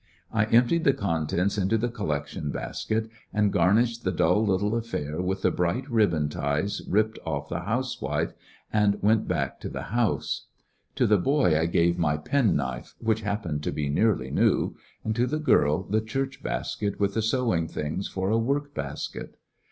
I emptied the contents into the collection basket, and garnished the dull little affair with the bright ribbon ties ripped off the housewife, and went back to the house. Christmas gifts To the boy I gave my penknife, which happened to be nearly new, and to the girl the church basket with the sewing things for a work basket.